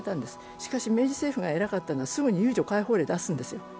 しかし明治政府が偉かったのは、すぐに遊女解放令を出すんです。